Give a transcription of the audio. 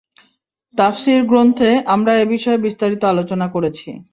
তাফসীর গ্রন্থে আমরা এ বিষয়ে বিস্তারিত আলোচনা করেছি।